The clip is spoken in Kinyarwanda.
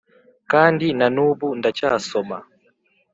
. Kandi na n’ubu ndacyasoma,